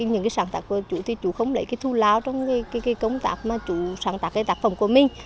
những cái sáng tác của chú thì chú không lấy cái thu láo trong cái công tác mà chú sáng tác cái tác phẩm của mình